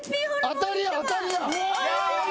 当たりや当たりや！